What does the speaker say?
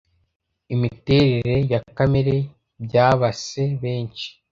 Imiterere na Kamere byabase benshi